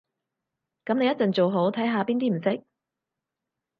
噉你一陣做好，睇下邊啲唔識